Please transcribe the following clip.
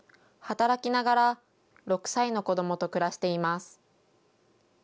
働きながら、６歳の子どもと暮らしています。